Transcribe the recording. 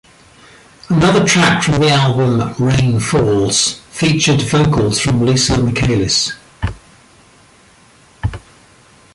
Another track from the album, "Rain Falls", featured vocals from Lisa Michaelis.